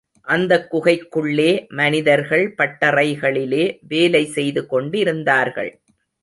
அந்தக் குகைக்குள்ளே மனிதர்கள் பட்டறைகளிலே வேலை செய்து கொண்டிருந்தார்கள்.